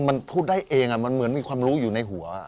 มันพูดได้เองมันเหมือนมีความรู้อยู่ในหัว